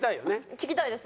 聞きたいです。